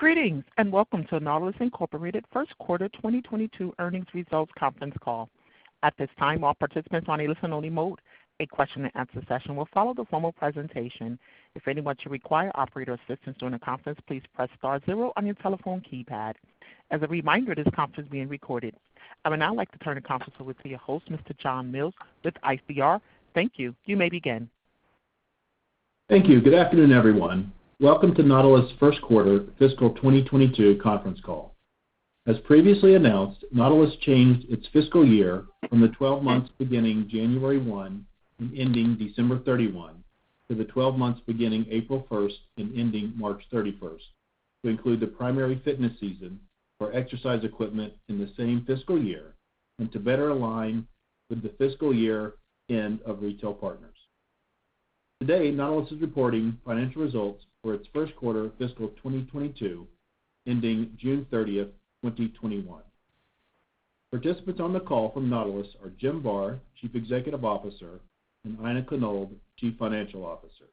Greetings and welcome toNautilus Incorporated First Quarter 2022 Earning Results Conference Call. At this time, all participants are in only-listen mode. A question-and-answer session will follow the formal presentation. If anyone should require operator assistance during the conference, please press star zero on your telephone keypad. As a reminder this conference is being recorded. I would now like to turn the conference over to your host, Mr. John Mills, with ICR. Thank you. You may begin. Thank you. Good afternoon, everyone. Welcome to Nautilus' 1st quarter fiscal 2022 conference call. As previously announced, Nautilus changed its fiscal year from the 12 months beginning January 1 and ending December 31 to the 12 months beginning April 1st and ending March 31st to include the primary fitness season for exercise equipment in the same fiscal year and to better align with the fiscal year end of retail partners. Today, Nautilus is reporting financial results for its 1st quarter fiscal 2022, ending June 30th, 2021. Participants on the call from Nautilus are Jim Barr, Chief Executive Officer, and Aina Konold, Chief Financial Officer.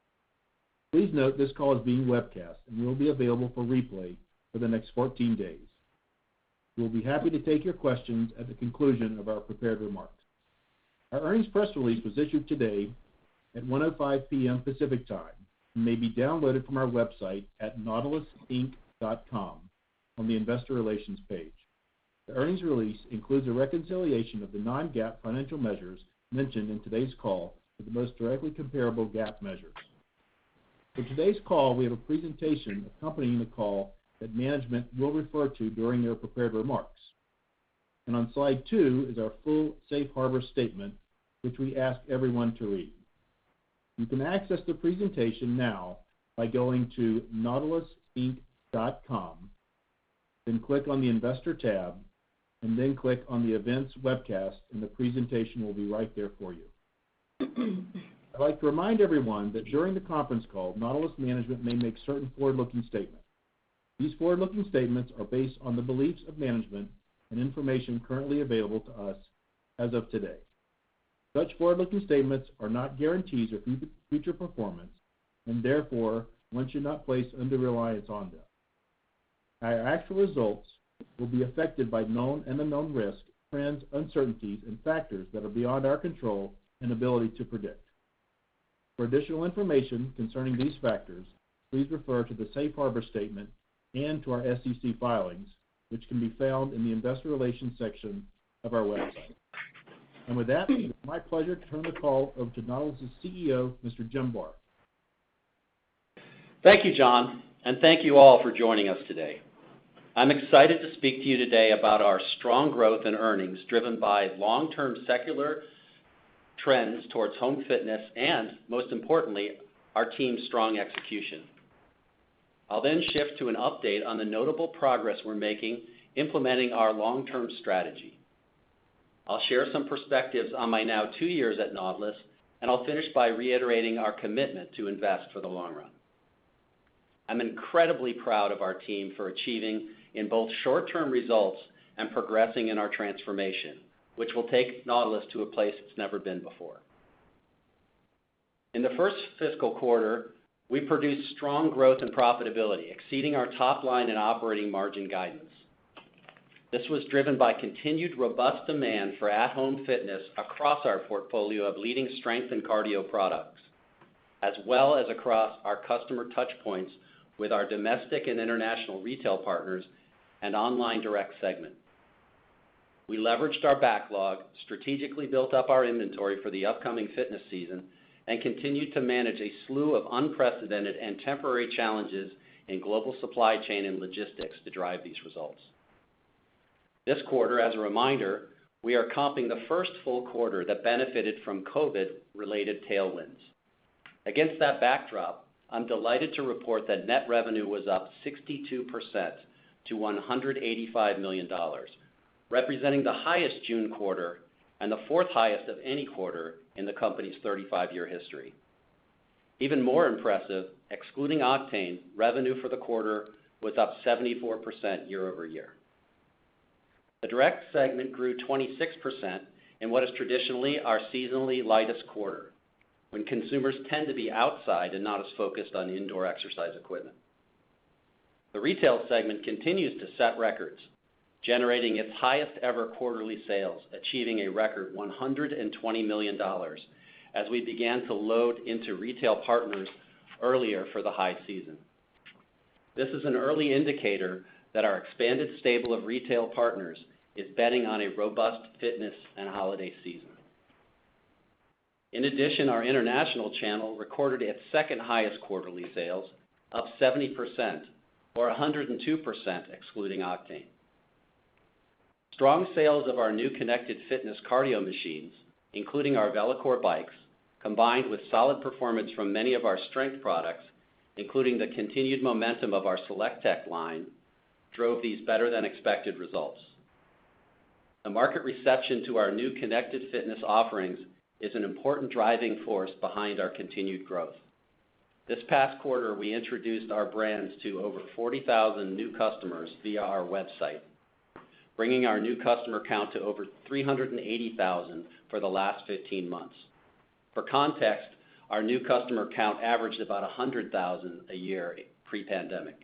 Please note this call is being webcast and will be available for replay for the next 14 days. We'll be happy to take your questions at the conclusion of our prepared remarks. Our earnings press release was issued today at 1:05 P.M. Pacific Time and may be downloaded from our website at nautilusinc.com on the investor relations page. The earnings release includes a reconciliation of the non-GAAP financial measures mentioned in today's call with the most directly comparable GAAP measures. For today's call, we have a presentation accompanying the call that management will refer to during their prepared remarks. On slide two is our full safe harbor statement, which we ask everyone to read. You can access the presentation now by going to nautilusinc.com, then click on the investor tab, and then click on the events webcast, and the presentation will be right there for you. I'd like to remind everyone that during the conference call, Nautilus management may make certain forward-looking statements. These forward-looking statements are based on the beliefs of management and information currently available to us as of today. Such forward-looking statements are not guarantees of future performance. Therefore, one should not place undue reliance on them. Our actual results will be affected by known and unknown risks, trends, uncertainties, and factors that are beyond our control and ability to predict. For additional information concerning these factors, please refer to the safe harbor statement and to our SEC filings, which can be found in the investor relations section of our website. With that, it is my pleasure to turn the call over to Nautilus' CEO, Mr. Jim Barr. Thank you, John, and thank you all for joining us today. I'm excited to speak to you today about our strong growth and earnings, driven by long-term secular trends towards home fitness and, most importantly, our team's strong execution. I'll then shift to an update on the notable progress we're making implementing our long-term strategy. I'll share some perspectives on my now two years at Nautilus, and I'll finish by reiterating our commitment to invest for the long run. I'm incredibly proud of our team for achieving in both short-term results and progressing in our transformation, which will take Nautilus to a place it's never been before. In the first fiscal quarter, we produced strong growth and profitability, exceeding our top line and operating margin guidance. This was driven by continued robust demand for at-home fitness across our portfolio of leading strength and cardio products, as well as across our customer touchpoints with our domestic and international retail partners and online direct segment. We leveraged our backlog, strategically built up our inventory for the upcoming fitness season, and continued to manage a slew of unprecedented and temporary challenges in global supply chain and logistics to drive these results. This quarter, as a reminder, we are comping the first full quarter that benefited from COVID-related tailwinds. Against that backdrop, I'm delighted to report that net revenue was up 62% to $185 million, representing the highest June quarter and the fourth highest of any quarter in the company's 35-year history. Even more impressive, excluding Octane, revenue for the quarter was up 74% year-over-year. The direct segment grew 26% in what is traditionally our seasonally lightest quarter, when consumers tend to be outside and not as focused on indoor exercise equipment. The retail segment continues to set records, generating its highest-ever quarterly sales, achieving a record $120 million, as we began to load into retail partners earlier for the high season. This is an early indicator that our expanded stable of retail partners is betting on a robust fitness and holiday season. Our international channel recorded its second highest quarterly sales, up 70%, or 102% excluding Octane. Strong sales of our new connected fitness cardio machines, including our VeloCore bikes, combined with solid performance from many of our strength products, including the continued momentum of our SelectTech line, drove these better-than-expected results. The market reception to our new connected fitness offerings is an important driving force behind our continued growth. This past quarter, we introduced our brands to over 40,000 new customers via our website, bringing our new customer count to over 380,000 for the last 15 months. For context, our new customer count averaged about 100,000 a year pre-pandemic.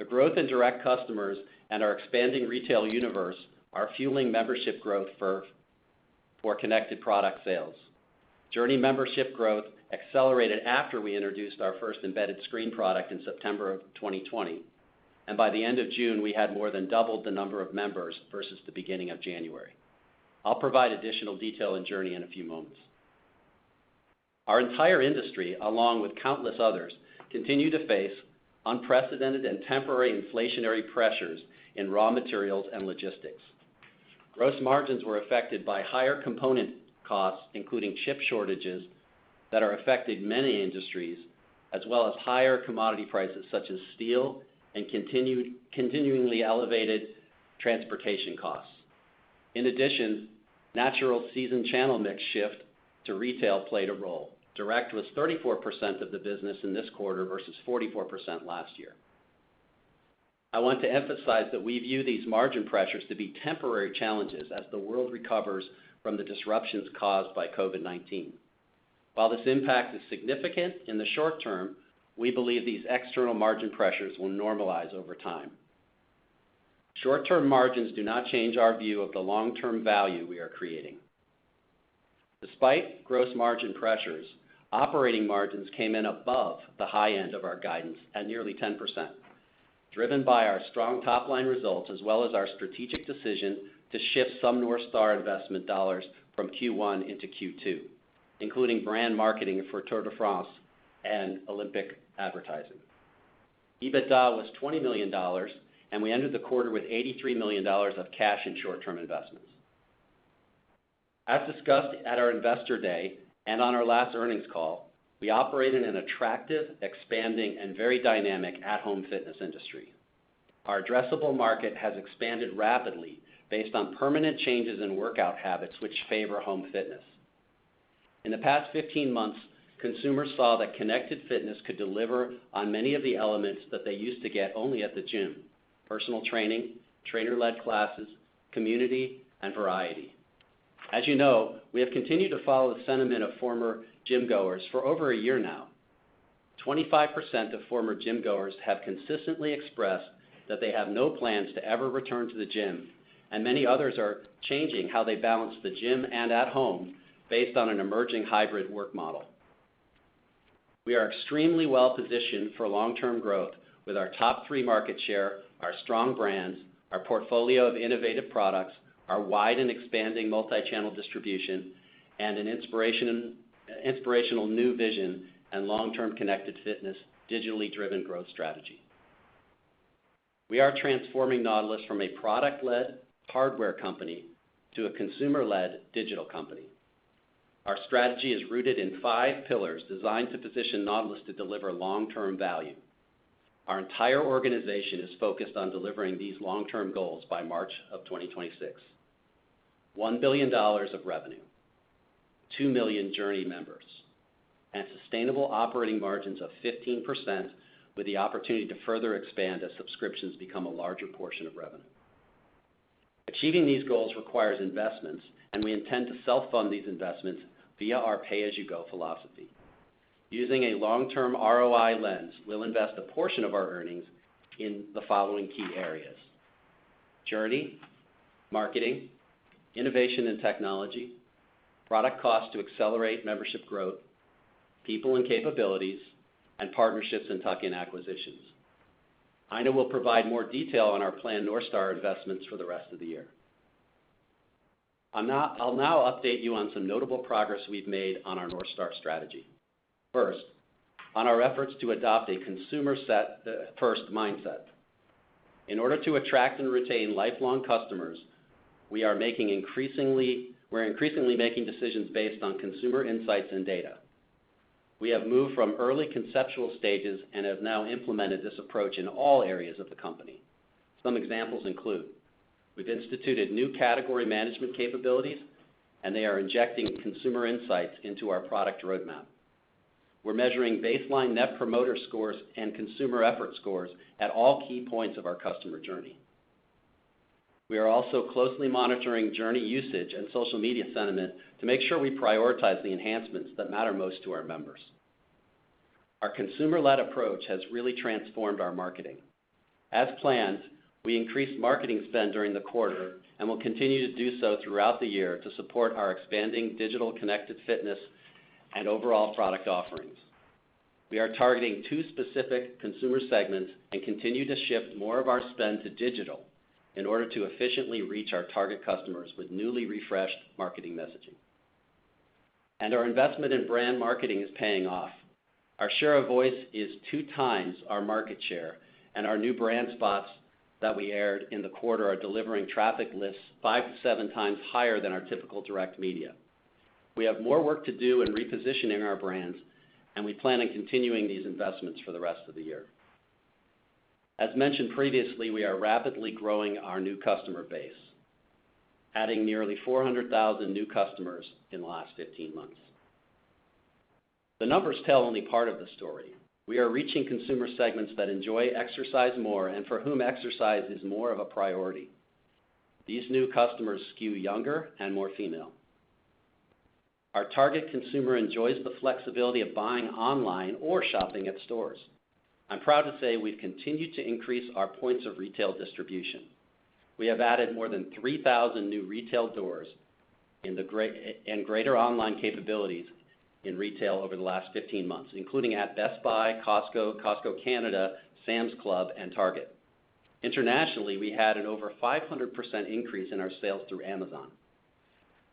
The growth in direct customers and our expanding retail universe are fueling membership growth for our connected product sales. JRNY membership growth accelerated after we introduced our first embedded screen product in September of 2020, and by the end of June, we had more than doubled the number of members versus the beginning of January. I'll provide additional detail on JRNY in a few moments. Our entire industry, along with countless others, continue to face unprecedented and temporary inflationary pressures in raw materials and logistics. Gross margins were affected by higher component costs, including chip shortages, that are affecting many industries, as well as higher commodity prices such as steel and continuingly elevated transportation costs. Natural season channel mix shift to retail played a role. Direct was 34% of the business in this quarter versus 44% last year. I want to emphasize that we view these margin pressures to be temporary challenges as the world recovers from the disruptions caused by COVID-19. While this impact is significant in the short term, we believe these external margin pressures will normalize over time. Short-term margins do not change our view of the long-term value we are creating. Despite gross margin pressures, operating margins came in above the high end of our guidance at nearly 10%, driven by our strong top-line results, as well as our strategic decision to shift some North Star investment dollars from Q1 into Q2, including brand marketing for Tour de France and Olympic advertising. EBITDA was $20 million, and we ended the quarter with $83 million of cash in short-term investments. As discussed at our Investor Day, and on our last earnings call, we operate in an attractive, expanding, and very dynamic at-home fitness industry. Our addressable market has expanded rapidly based on permanent changes in workout habits which favor home fitness. In the past 15 months, consumers saw that connected fitness could deliver on many of the elements that they used to get only at the gym: personal training, trainer-led classes, community, and variety. As you know, we have continued to follow the sentiment of former gym-goers for over a year now. 25% of former gym-goers have consistently expressed that they have no plans to ever return to the gym, and many others are changing how they balance the gym and at home based on an emerging hybrid work model. We are extremely well-positioned for long-term growth with our top-3 market share, our strong brands, our portfolio of innovative products, our wide and expanding multi-channel distribution, and an inspirational new vision and long-term connected fitness digitally-driven growth strategy. We are transforming Nautilus from a product-led hardware company to a consumer-led digital company. Our strategy is rooted in five pillars designed to position Nautilus to deliver long-term value. Our entire organization is focused on delivering these long-term goals by March of 2026. $1 billion of revenue, two million JRNY members, and sustainable operating margins of 15% with the opportunity to further expand as subscriptions become a larger portion of revenue. Achieving these goals requires investments. We intend to self-fund these investments via our pay-as-you-go philosophy. Using a long-term ROI lens, we'll invest a portion of our earnings in the following key areas: JRNY, marketing, innovation and technology, product cost to accelerate membership growth, people and capabilities, and partnerships and tuck-in acquisitions. Aina will provide more detail on our planned North Star investments for the rest of the year. I'll now update you on some notable progress we've made on our North Star strategy. On our efforts to adopt a consumer-first mindset. In order to attract and retain lifelong customers, we're increasingly making decisions based on consumer insights and data. We have moved from early conceptual stages and have now implemented this approach in all areas of the company. Some examples include, we've instituted new category management capabilities, and they are injecting consumer insights into our product roadmap. We're measuring baseline Net Promoter Scores and consumer effort scores at all key points of our customer journey. We are also closely monitoring JRNY usage and social media sentiment to make sure we prioritize the enhancements that matter most to our members. Our consumer-led approach has really transformed our marketing. As planned, we increased marketing spend during the quarter and will continue to do so throughout the year to support our expanding digital connected fitness and overall product offerings. We are targeting two specific consumer segments and continue to shift more of our spend to digital in order to efficiently reach our target customers with newly refreshed marketing messaging. Our investment in brand marketing is paying off. Our share of voice is two times our market share, and our new brand spots that we aired in the quarter are delivering traffic lists five to seven times higher than our typical direct media. We have more work to do in repositioning our brands, and we plan on continuing these investments for the rest of the year. As mentioned previously, we are rapidly growing our new customer base, adding nearly 400,000 new customers in the last 15 months. The numbers tell only part of the story. We are reaching consumer segments that enjoy exercise more and for whom exercise is more of a priority. These new customers skew younger and more female. Our target consumer enjoys the flexibility of buying online or shopping at stores. I'm proud to say we've continued to increase our points of retail distribution. We have added more than 3,000 new retail doors and greater online capabilities in retail over the last 15 months, including at Best Buy, Costco Canada, Sam's Club, and Target. Internationally, we had an over 500% increase in our sales through Amazon.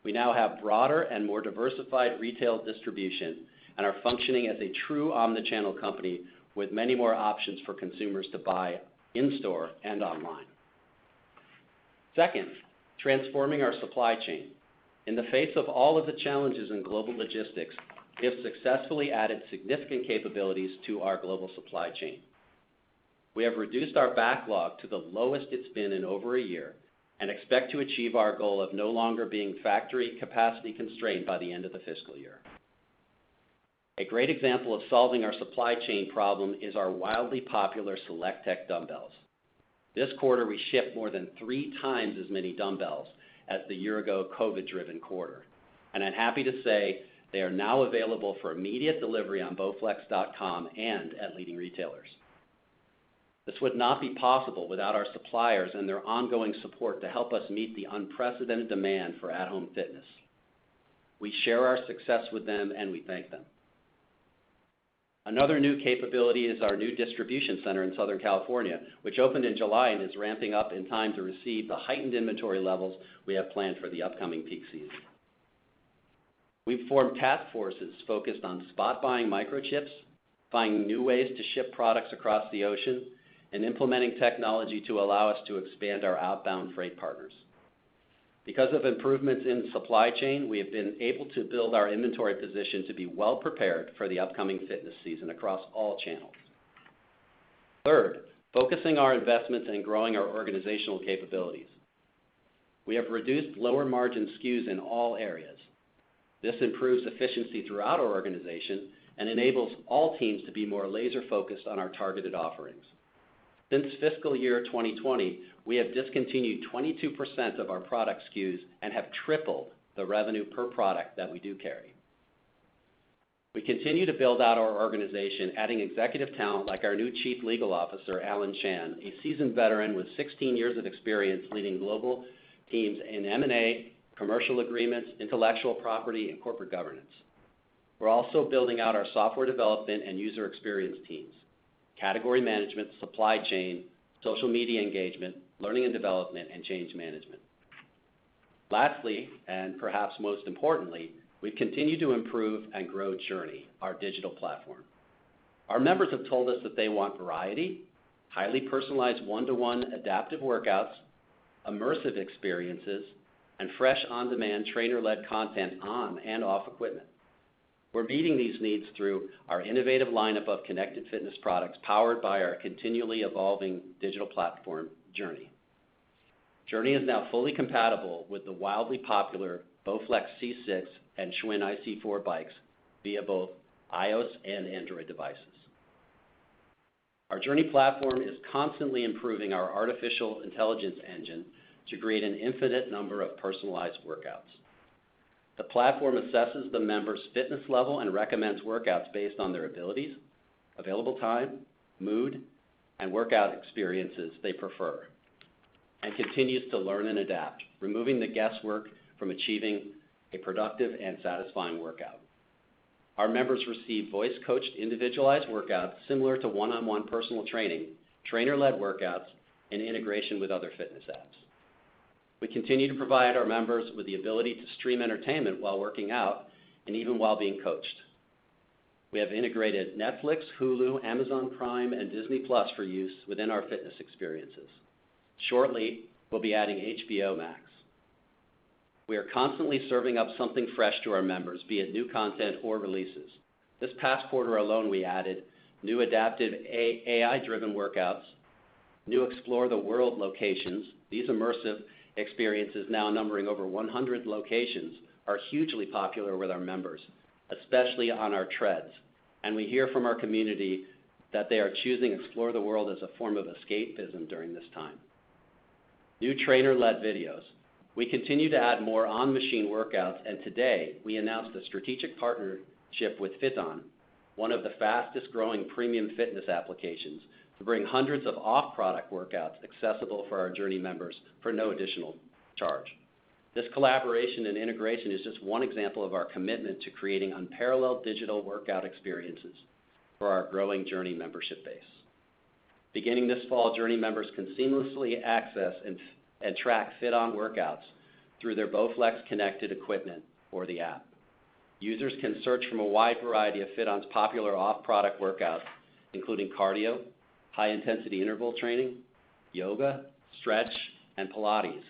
We now have broader and more diversified retail distribution and are functioning as a true omni-channel company with many more options for consumers to buy in-store and online. Second, transforming our supply chain. In the face of all of the challenges in global logistics, we have successfully added significant capabilities to our global supply chain. We have reduced our backlog to the lowest it's been in over a year and expect to achieve our goal of no longer being factory capacity constrained by the end of the fiscal year. A great example of solving our supply chain problem is our wildly popular SelectTech dumbbells. This quarter, we shipped more than three times as many dumbbells as the year-ago COVID-driven quarter, and I'm happy to say they are now available for immediate delivery on bowflex.com and at leading retailers. This would not be possible without our suppliers and their ongoing support to help us meet the unprecedented demand for at-home fitness. We share our success with them, and we thank them. Another new capability is our new distribution center in Southern California, which opened in July and is ramping up in time to receive the heightened inventory levels we have planned for the upcoming peak season. We've formed task forces focused on spot buying microchips, finding new ways to ship products across the ocean, and implementing technology to allow us to expand our outbound freight partners. Because of improvements in supply chain, we have been able to build our inventory position to be well-prepared for the upcoming fitness season across all channels. Focusing our investments in growing our organizational capabilities. We have reduced lower-margin SKUs in all areas. This improves efficiency throughout our organization and enables all teams to be more laser-focused on our targeted offerings. Since fiscal year 2020, we have discontinued 22% of our product SKUs and have tripled the revenue per product that we do carry. We continue to build out our organization, adding executive talent like our new Chief Legal Officer, Alan Chan, a seasoned veteran with 16 years of experience leading global teams in M&A, commercial agreements, intellectual property, and corporate governance. We're also building out our software development and user experience teams, category management, supply chain, social media engagement, learning and development, and change management. Lastly, perhaps most importantly, we've continued to improve and grow JRNY, our digital platform. Our members have told us that they want variety, highly personalized one-to-one adaptive workouts, immersive experiences, and fresh, on-demand, trainer-led content on and off equipment. We're meeting these needs through our innovative lineup of connected fitness products, powered by our continually evolving digital platform, JRNY. JRNY is now fully compatible with the wildly popular BowFlex C6 and Schwinn IC4 bikes via both iOS and Android devices. Our JRNY platform is constantly improving our artificial intelligence engine to create an infinite number of personalized workouts. The platform assesses the member's fitness level and recommends workouts based on their abilities, available time, mood, and workout experiences they prefer and continues to learn and adapt, removing the guesswork from achieving a productive and satisfying workout. Our members receive voice-coached, individualized workouts similar to one-on-one personal training, trainer-led workouts, and integration with other fitness apps. We continue to provide our members with the ability to stream entertainment while working out and even while being coached. We have integrated Netflix, Hulu, Prime Video, and Disney+ for use within our fitness experiences. Shortly, we'll be adding HBO Max. We are constantly serving up something fresh to our members, be it new content or releases. This past quarter alone, we added new adaptive AI-driven workouts, new Explore the World locations. These immersive experiences, now numbering over 100 locations, are hugely popular with our members, especially on our treads, and we hear from our community that they are choosing Explore the World as a form of escapism during this time. New trainer-led videos. We continue to add more on-machine workouts, today we announced a strategic partnership with FitOn, one of the fastest-growing premium fitness applications, to bring hundreds of off-product workouts accessible for our JRNY members for no additional charge. This collaboration and integration is just one example of our commitment to creating unparalleled digital workout experiences for our growing JRNY membership base. Beginning this fall, JRNY members can seamlessly access and track FitOn workouts through their BowFlex connected equipment or the app. Users can search from a wide variety of FitOn's popular off-product workouts, including cardio, high-intensity interval training, yoga, stretch, and Pilates,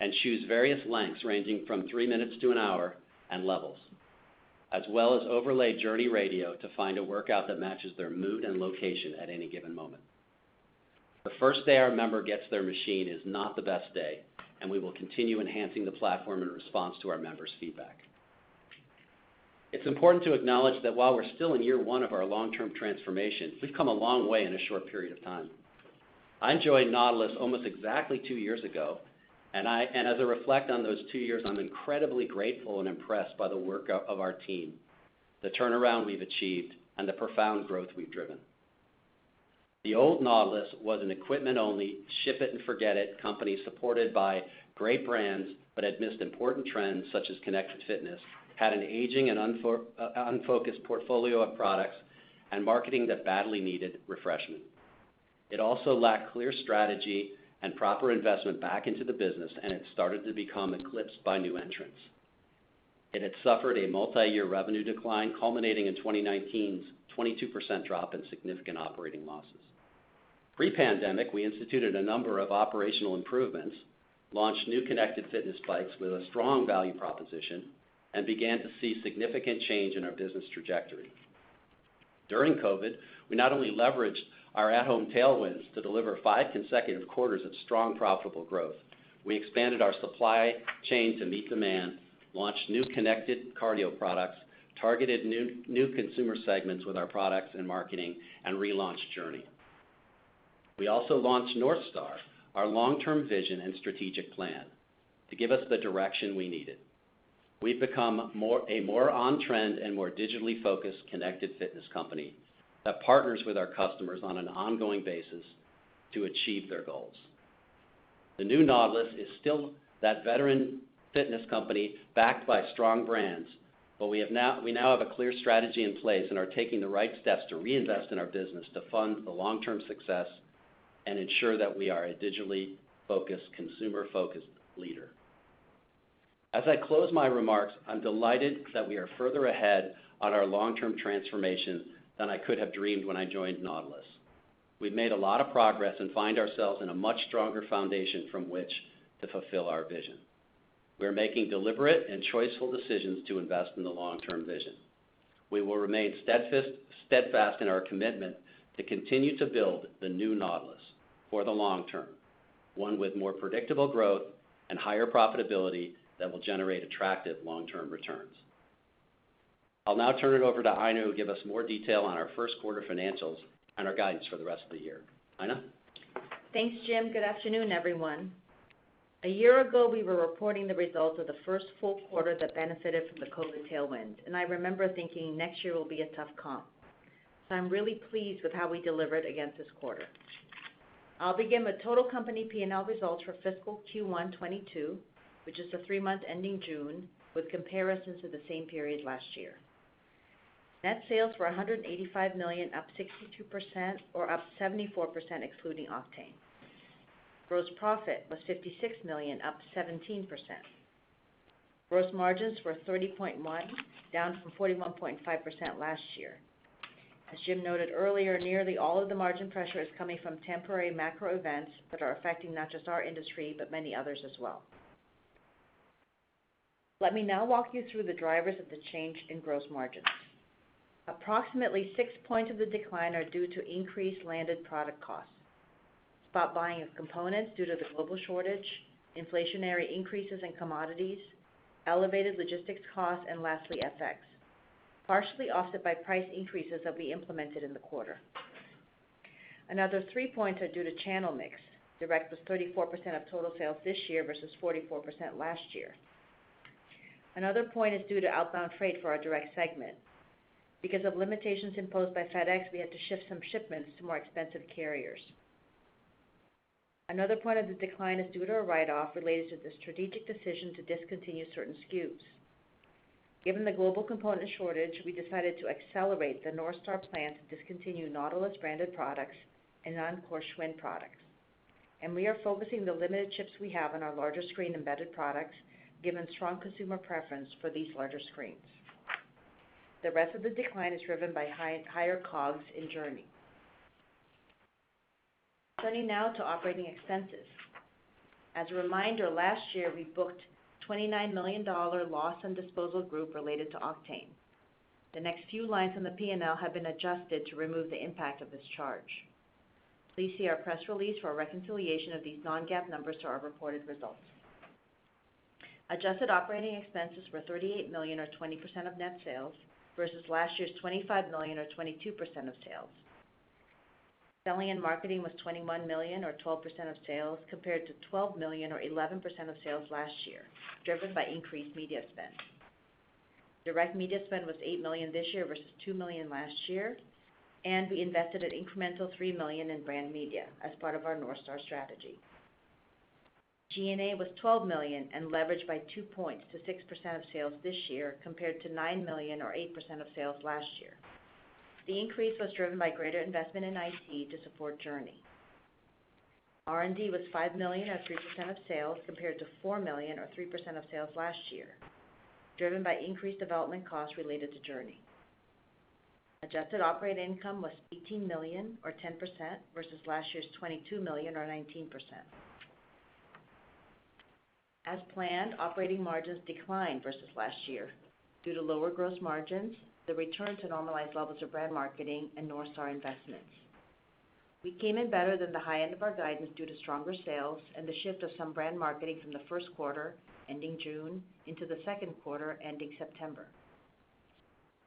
and choose various lengths ranging from three minutes to an hour, and levels, as well as overlay JRNY Radio to find a workout that matches their mood and location at any given moment. The first day our member gets their machine is not the best day, and we will continue enhancing the platform in response to our members' feedback. It's important to acknowledge that while we're still in year one of our long-term transformation, we've come a long way in a short period of time. I joined Nautilus almost exactly two years ago, and as I reflect on those two years, I'm incredibly grateful and impressed by the work of our team, the turnaround we've achieved, and the profound growth we've driven. The old Nautilus was an equipment-only, ship-it-and-forget-it company supported by great brands but had missed important trends such as connected fitness, had an aging and unfocused portfolio of products, and marketing that badly needed refreshment. It also lacked clear strategy and proper investment back into the business, and it started to become eclipsed by new entrants. It had suffered a multi-year revenue decline, culminating in 2019's 22% drop and significant operating losses. Pre-pandemic, we instituted a number of operational improvements, launched new connected fitness bikes with a strong value proposition, and began to see significant change in our business trajectory. During COVID, we not only leveraged our at-home tailwinds to deliver five consecutive quarters of strong, profitable growth, we expanded our supply chain to meet demand, launched new connected cardio products, targeted new consumer segments with our products and marketing, and relaunched JRNY. We also launched North Star, our long-term vision and strategic plan, to give us the direction we needed. We've become a more on-trend and more digitally focused, connected fitness company that partners with our customers on an ongoing basis to achieve their goals. The new Nautilus is still that veteran fitness company backed by strong brands. We now have a clear strategy in place and are taking the right steps to reinvest in our business to fund the long-term success and ensure that we are a digitally focused, consumer-focused leader. As I close my remarks, I'm delighted that we are further ahead on our long-term transformation than I could have dreamed when I joined Nautilus. We've made a lot of progress and find ourselves in a much stronger foundation from which to fulfill our vision. We're making deliberate and choiceful decisions to invest in the long-term vision. We will remain steadfast in our commitment to continue to build the new Nautilus for the long term, one with more predictable growth and higher profitability that will generate attractive long-term returns. I'll now turn it over to Ina, who will give us more detail on our first quarter financials and our guidance for the rest of the year. Aina? Thanks, Jim. Good afternoon, everyone. A year ago, we were reporting the results of the first full quarter that benefited from the COVID tailwind. I remember thinking next year will be a tough comp. I'm really pleased with how we delivered against this quarter. I'll begin with total company P&L results for fiscal Q1 2022, which is the three months ending June, with comparisons to the same period last year. Net sales were $185 million, up 62%, or up 74% excluding Octane. Gross profit was $56 million, up 17%. Gross margins were 30.1%, down from 41.5% last year. As Jim noted earlier, nearly all of the margin pressure is coming from temporary macro events that are affecting not just our industry, but many others as well. Let me now walk you through the drivers of the change in gross margins. Approximately six points of the decline are due to increased landed product costs, spot buying of components due to the global shortage, inflationary increases in commodities, elevated logistics costs, and lastly, FX, partially offset by price increases that we implemented in the quarter. Another three points are due to channel mix. Direct was 34% of total sales this year versus 44% last year. Another point is due to outbound freight for our direct segment. Because of limitations imposed by FedEx, we had to shift some shipments to more expensive carriers. Another point of the decline is due to a write-off related to the strategic decision to discontinue certain SKUs. Given the global component shortage, we decided to accelerate the North Star plan to discontinue Nautilus-branded products and non-core Schwinn products. We are focusing the limited chips we have on our larger screen embedded products, given strong consumer preference for these larger screens. The rest of the decline is driven by higher COGS in JRNY. Turning now to operating expenses. As a reminder, last year, we booked a $29 million loss on disposal group related to Octane. The next few lines in the P&L have been adjusted to remove the impact of this charge. Please see our press release for a reconciliation of these non-GAAP numbers to our reported results. Adjusted operating expenses were $38 million or 20% of net sales versus last year's $25 million or 22% of sales. Selling and marketing was $21 million or 12% of sales compared to $12 million or 11% of sales last year, driven by increased media spend. Direct media spend was $8 million this year versus $2 million last year. We invested an incremental $3 million in brand media as part of our North Star strategy. G&A was $12 million and leveraged by two points to 6% of sales this year compared to $9 million or 8% of sales last year. The increase was driven by greater investment in IT to support JRNY. R&D was $5 million or 3% of sales compared to $4 million or 3% of sales last year, driven by increased development costs related to JRNY. Adjusted operating income was $18 million or 10% versus last year's $22 million or 19%. As planned, operating margins declined versus last year due to lower gross margins, the return to normalized levels of brand marketing, and North Star investments. We came in better than the high end of our guidance due to stronger sales and the shift of some brand marketing from the first quarter, ending June, into the second quarter, ending September.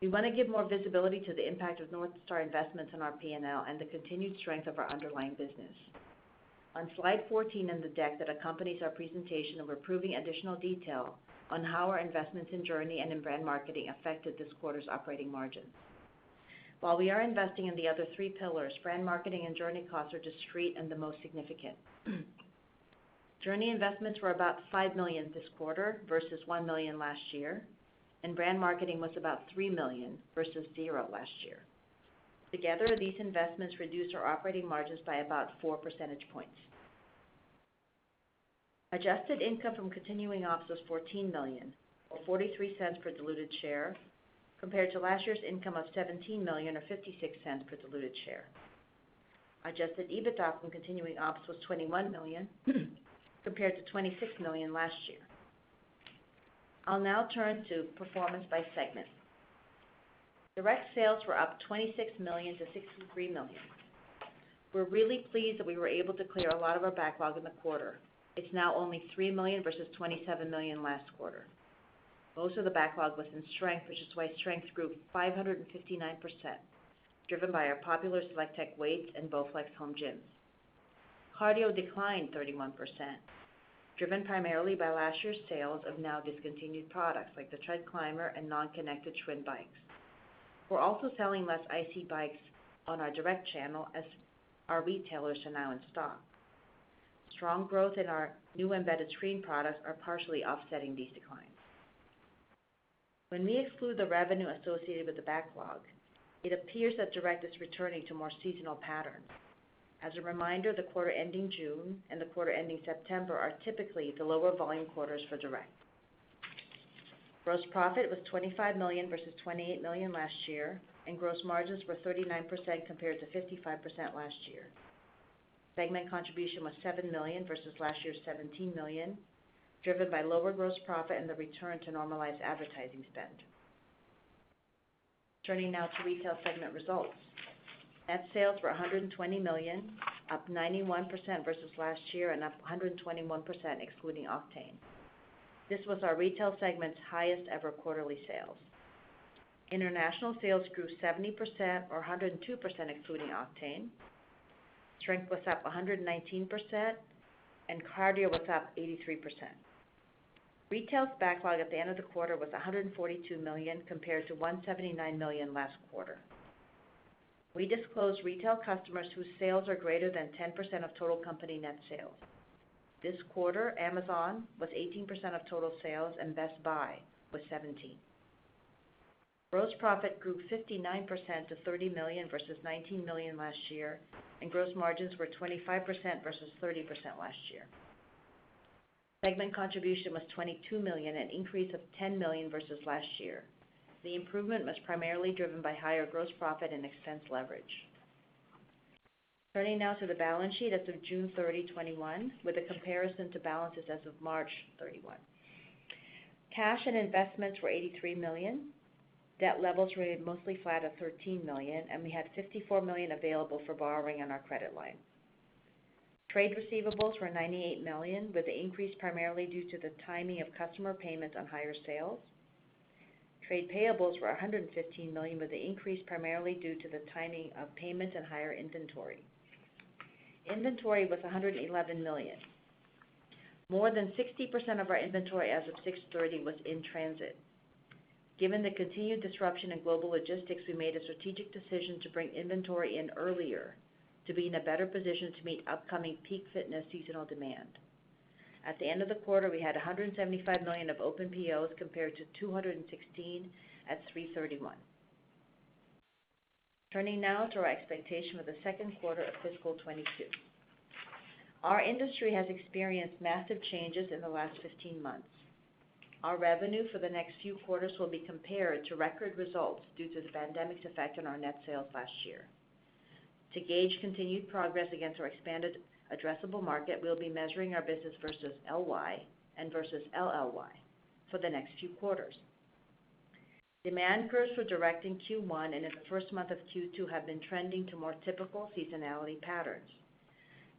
We want to give more visibility to the impact of North Star investments on our P&L and the continued strength of our underlying business. On slide 14 in the deck that accompanies our presentation, we're providing additional detail on how our investments in JRNY and in brand marketing affected this quarter's operating margins. While we are investing in the other three pillars, brand marketing and JRNY costs are discrete and the most significant. JRNY investments were about $5 million this quarter versus $1 million last year. Brand marketing was about $3 million versus zero last year. Together, these investments reduced our operating margins by about four percentage points. Adjusted income from continuing ops was $14 million, or $0.43 per diluted share, compared to last year's income of $17 million or $0.56 per diluted share. Adjusted EBITDA from continuing ops was $21 million compared to $26 million last year. I'll now turn to performance by segment. Direct sales were up $26 million-$63 million. We're really pleased that we were able to clear a lot of our backlog in the quarter. It's now only $3 million versus $27 million last quarter. Most of the backlog was in strength, which is why strength grew 559%, driven by our popular SelectTech weights and BowFlex home gyms. Cardio declined 31%, driven primarily by last year's sales of now-discontinued products like the TreadClimber and non-connected Schwinn bikes. We're also selling less IC bikes on our direct channel, as our retailers are now in stock. Strong growth in our new embedded screen products are partially offsetting these declines. When we exclude the revenue associated with the backlog, it appears that direct is returning to more seasonal patterns. As a reminder, the quarter ending June and the quarter ending September are typically the lower volume quarters for direct. Gross profit was $25 million versus $28 million last year, and gross margins were 39% compared to 55% last year. Segment contribution was $7 million versus last year's $17 million, driven by lower gross profit and the return to normalized advertising spend. Turning now to retail segment results. Net sales were $120 million, up 91% versus last year and up 121% excluding Octane. This was our retail segment's highest-ever quarterly sales. International sales grew 70%, or 102% excluding Octane. Strength was up 119%. Cardio was up 83%. retail's backlog at the end of the quarter was $142 million compared to $179 million last quarter. We disclose retail customers whose sales are greater than 10% of total company net sales. This quarter, Amazon was 18% of total sales. Best Buy was 17%. Gross profit grew 59% to $30 million versus $19 million last year. Gross margins were 25% versus 30% last year. Segment contribution was $22 million, an increase of $10 million versus last year. The improvement was primarily driven by higher gross profit and expense leverage. Turning now to the balance sheet as of June 30, 2021, with a comparison to balances as of March 31. Cash and investments were $83 million. Debt levels remained mostly flat at $13 million, and we had $54 million available for borrowing on our credit line. Trade receivables were $98 million, with the increase primarily due to the timing of customer payments on higher sales. Trade payables were $115 million, with the increase primarily due to the timing of payment and higher inventory. Inventory was $111 million. More than 60% of our inventory as of June 30 was in transit. Given the continued disruption in global logistics, we made a strategic decision to bring inventory in earlier to be in a better position to meet upcoming peak fitness seasonal demand. At the end of the quarter, we had $175 million of open POs compared to $216 million at March 31. Turning now to our expectation for the second quarter of fiscal 2022. Our industry has experienced massive changes in the last 15 months. Our revenue for the next few quarters will be compared to record results due to the pandemic's effect on our net sales last year. To gauge continued progress against our expanded addressable market, we'll be measuring our business versus LY and versus LLY for the next few quarters. Demand growth for direct in Q1 and in the 1st month of Q2 have been trending to more typical seasonality patterns.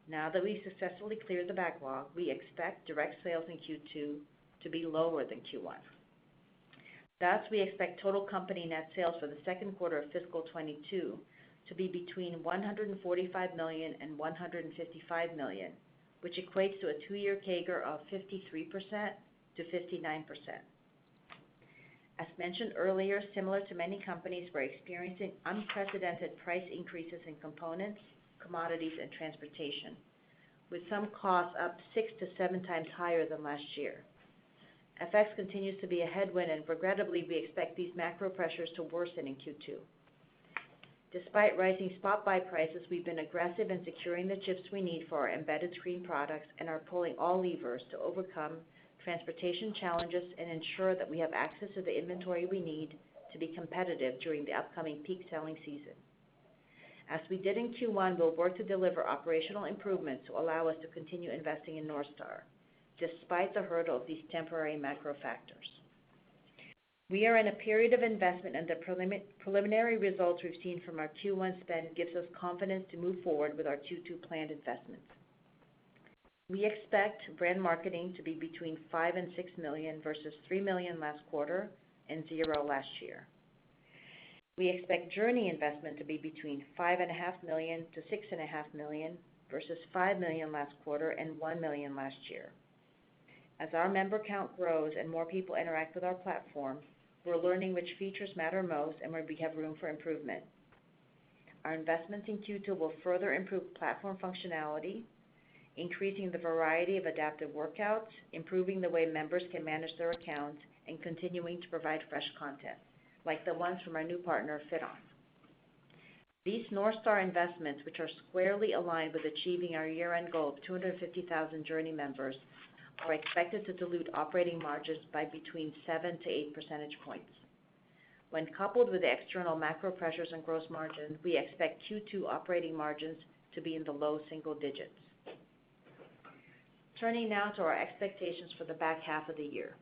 Now that we've successfully cleared the backlog, we expect direct sales in Q2 to be lower than Q1. We expect total company net sales for the second quarter of fiscal 2022 to be between $145 million and $155 million, which equates to a two-year CAGR of 53%-59%. As mentioned earlier, similar to many companies, we're experiencing unprecedented price increases in components, commodities, and transportation, with some costs up six to seven times higher than last year. FX continues to be a headwind, and regrettably, we expect these macro pressures to worsen in Q2. Despite rising spot buy prices, we've been aggressive in securing the chips we need for our embedded screen products and are pulling all levers to overcome transportation challenges and ensure that we have access to the inventory we need to be competitive during the upcoming peak selling season. As we did in Q1, we'll work to deliver operational improvements to allow us to continue investing in North Star, despite the hurdle of these temporary macro factors. We are in a period of investment, and the preliminary results we've seen from our Q1 spend gives us confidence to move forward with our Q2 planned investments. We expect brand marketing to be between $5 million and $6 million versus $3 million last quarter and zero last year. We expect JRNY investment to be between $5.5 million-$6.5 million versus $5 million last quarter and $1 million last year. As our member count grows and more people interact with our platform, we're learning which features matter most and where we have room for improvement. Our investments in Q2 will further improve platform functionality, increasing the variety of adaptive workouts, improving the way members can manage their accounts, and continuing to provide fresh content, like the ones from our new partner, FitOn. These North Star investments, which are squarely aligned with achieving our year-end goal of 250,000 JRNY members, are expected to dilute operating margins by between seven to eight percentage points. When coupled with the external macro pressures on gross margin, we expect Q2 operating margins to be in the low single digits. Turning now to our expectations for the back half of the year.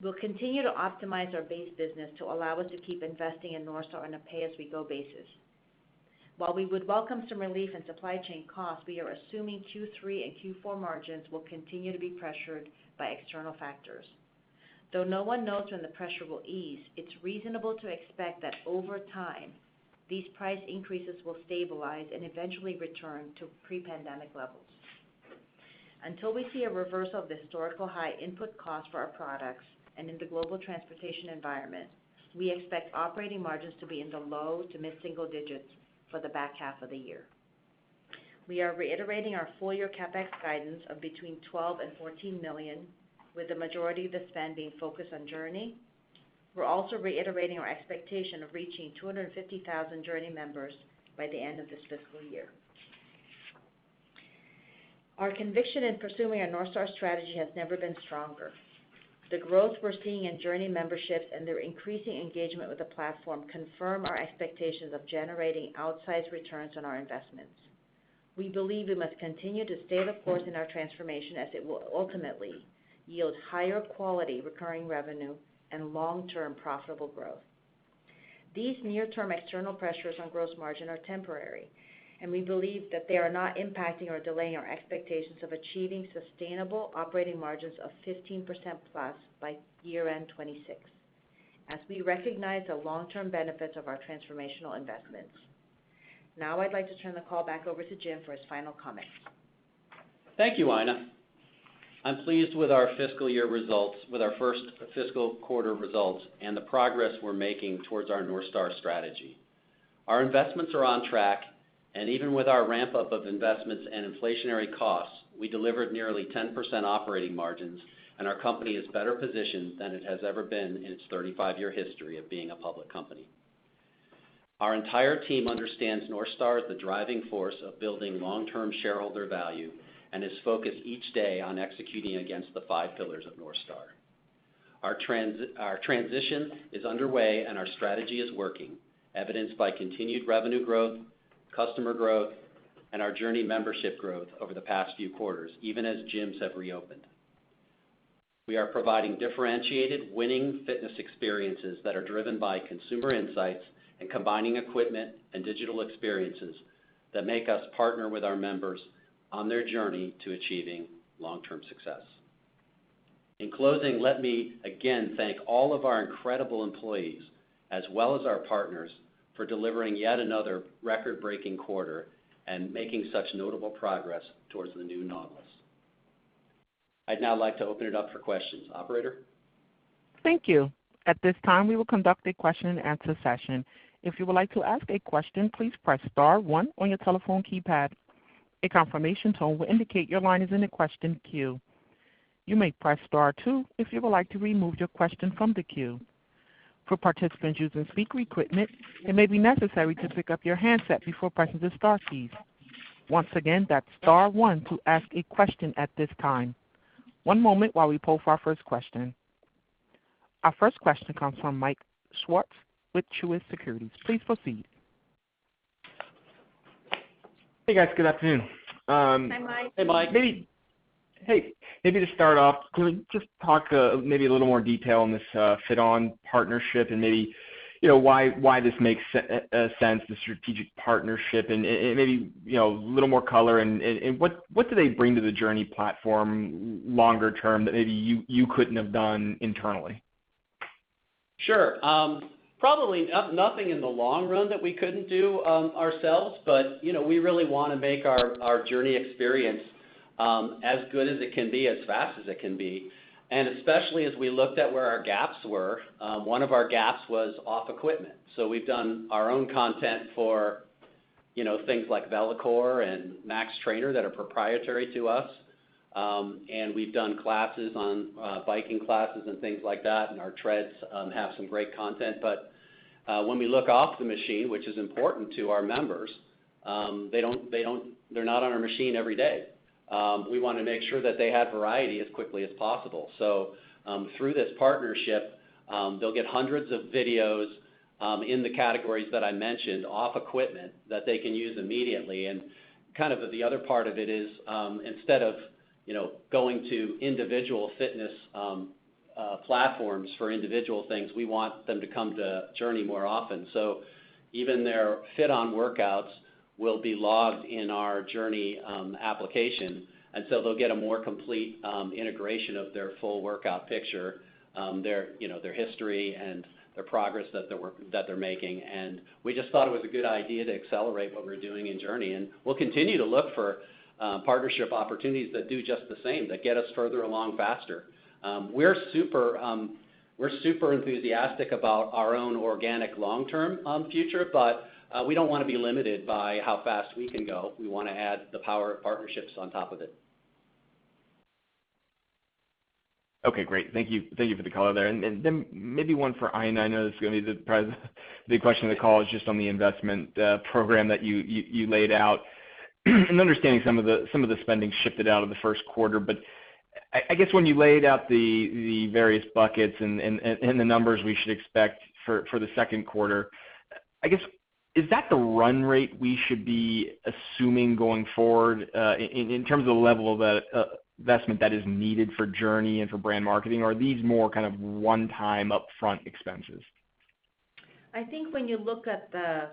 We'll continue to optimize our base business to allow us to keep investing in North Star on a pay-as-we-go basis. While we would welcome some relief in supply chain costs, we are assuming Q3 and Q4 margins will continue to be pressured by external factors. Though no one knows when the pressure will ease, it's reasonable to expect that over time, these price increases will stabilize and eventually return to pre-pandemic levels. Until we see a reversal of the historical high input costs for our products and in the global transportation environment, we expect operating margins to be in the low to mid-single digits for the back half of the year. We are reiterating our full-year CapEx guidance of between $12 million and $14 million, with the majority of the spend being focused on JRNY. We're also reiterating our expectation of reaching 250,000 JRNY members by the end of this fiscal year. Our conviction in pursuing our North Star strategy has never been stronger. The growth we're seeing in JRNY memberships and their increasing engagement with the platform confirm our expectations of generating outsized returns on our investments. We believe we must continue to stay the course in our transformation, as it will ultimately yield higher quality recurring revenue and long-term profitable growth. These near-term external pressures on gross margin are temporary, and we believe that they are not impacting or delaying our expectations of achieving sustainable operating margins of 15%+ by year-end 2026, as we recognize the long-term benefits of our transformational investments. Now I'd like to turn the call back over to Jim for his final comments. Thank you, Aina. I'm pleased with our first fiscal quarter results and the progress we're making towards our North Star strategy. Our investments are on track, and even with our ramp-up of investments and inflationary costs, we delivered nearly 10% operating margins, and our company is better positioned than it has ever been in its 35-year history of being a public company. Our entire team understands North Star as the driving force of building long-term shareholder value and is focused each day on executing against the five pillars of North Star. Our transition is underway, and our strategy is working, evidenced by continued revenue growth, customer growth, and our JRNY membership growth over the past few quarters, even as gyms have reopened. We are providing differentiated, winning fitness experiences that are driven by consumer insights and combining equipment and digital experiences that make us partner with our members on their journey to achieving long-term success. In closing, let me again thank all of our incredible employees, as well as our partners, for delivering yet another record-breaking quarter and making such notable progress towards the new Nautilus. I'd now like to open it up for questions. Operator? Thank you. At this time, we will conduct a question and answer session. If you would like to ask a question, please press star one on your telephone keypad. A confirmation tone will indicate your line is in the question queue. You may press star two if you would like to remove your question from the queue. For participants using speaker equipment, it may be necessary to pick up your handset before pressing the star keys. Once again, that's star one to ask a question at this time. One moment while we poll for our first question. Our first question comes from Mike Swartz with Truist Securities. Please proceed. Hey, guys. Good afternoon. Hi, Mike. Hey, Mike. Hey. Maybe to start off, could we just talk maybe a little more detail on this FitOn partnership and maybe why this makes sense, the strategic partnership, and maybe a little more color and what do they bring to the JRNY platform longer term that maybe you couldn't have done internally? Sure. Probably nothing in the long run that we couldn't do ourselves, we really want to make our JRNY experience as good as it can be, as fast as it can be. Especially as we looked at where our gaps were, one of our gaps was off equipment. We've done our own content for things like VeloCore and Max Trainer that are proprietary to us, and we've done classes on biking classes and things like that, and our treads have some great content. When we look off the machine, which is important to our members. They're not on our machine every day. We want to make sure that they have variety as quickly as possible. Through this partnership, they'll get hundreds of videos in the categories that I mentioned off equipment that they can use immediately. Kind of the other part of it is, instead of going to individual fitness platforms for individual things, we want them to come to JRNY more often. Even their FitOn workouts will be logged in our JRNY application. They'll get a more complete integration of their full workout picture, their history, and their progress that they're making. We just thought it was a good idea to accelerate what we're doing in JRNY, and we'll continue to look for partnership opportunities that do just the same, that get us further along faster. We're super enthusiastic about our own organic long-term future, but we don't want to be limited by how fast we can go. We want to add the power of partnerships on top of it. Okay, great. Thank you for the color there. Maybe one for Aina, I know this is going to be the question of the call is just on the investment program that you laid out. Understanding some of the spending shifted out of the first quarter, but I guess when you laid out the various buckets and the numbers we should expect for the second quarter, I guess, is that the run rate we should be assuming going forward, in terms of the level of investment that is needed for JRNY and for brand marketing? Or are these more kind of one-time upfront expenses? I think when you look at the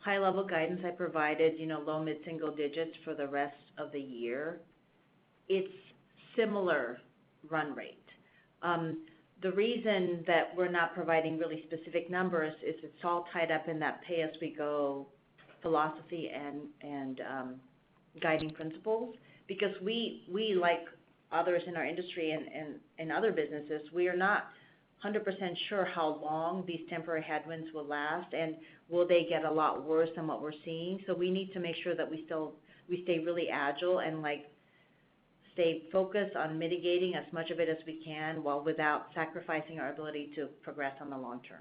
high-level guidance I provided, low mid-single digits for the rest of the year, it's similar run rate. The reason that we're not providing really specific numbers is it's all tied up in that pay-as-we-go philosophy and guiding principles. We, like others in our industry and other businesses, we are not 100% sure how long these temporary headwinds will last, and will they get a lot worse than what we're seeing? We need to make sure that we stay really agile and stay focused on mitigating as much of it as we can while without sacrificing our ability to progress on the long term.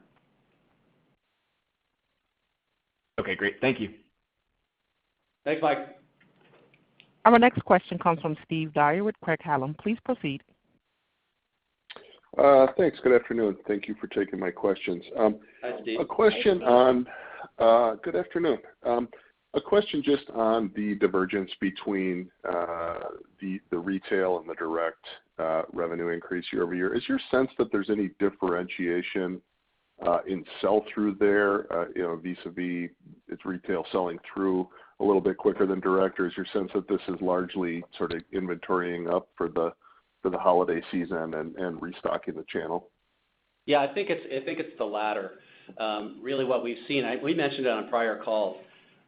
Okay, great. Thank you. Thanks, Mike. Our next question comes from Steve Dyer with Craig-Hallum. Please proceed. Thanks. Good afternoon. Thank you for taking my questions. Hi, Steve. Hi, Steve. Good afternoon. A question just on the divergence between the retail and the direct revenue increase year-over-year. Is your sense that there's any differentiation in sell-through there, vis-a-vis its retail selling through a little bit quicker than direct? Is your sense that this is largely sort of inventorying up for the holiday season and restocking the channel? Yeah, I think it's the latter. Really what we've seen, we mentioned on a prior call,